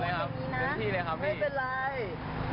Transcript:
เขาก็ไม่รอดก็ไม่ต้องทนนี่ทน